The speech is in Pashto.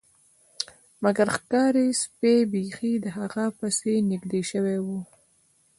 مګر ښکاري سپي بیخي د هغه په پسې نږدې شوي وو